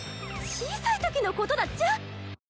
小さいときのことだっちゃ。